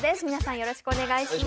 よろしくお願いします。